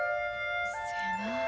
そやな。